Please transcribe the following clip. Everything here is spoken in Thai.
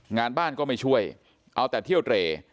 งานบ้านก็ไม่ช่วยเอาแต่เที่ยวเตร